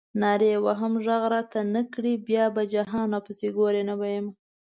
نارې وهم غږ راته نه کړې بیا به جهان راپسې ګورې نه به یمه.